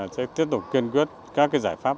sẽ tiếp tục kiên quyết các cái giải pháp